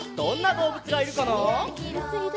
どうぶついるかな？